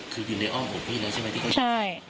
คืออยู่ในอ้อของพี่แล้วใช่ไหม